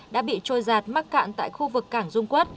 đã bị trôi giạt mắc cạn tại khu vực cảng dung quốc